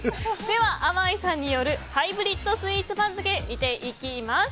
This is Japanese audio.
ではあまいさんによるハイブリッドスイーツ番付見ていきます。